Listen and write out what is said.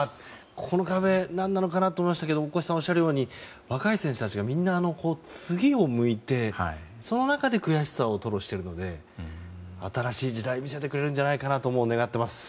この壁、何なのかなと思いましたけど大越さんがおっしゃるとおり若い選手たちがみんな次を向いてその中で悔しさを吐露しているので新しい時代見せてくれるのではと願っています。